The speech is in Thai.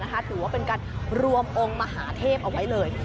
ถือว่าเป็นการรวมองค์มหาเทพเอาไว้เลย